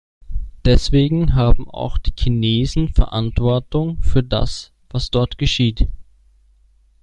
Deswegen haben auch die Chinesen Verantwortung für das, was dort geschieht.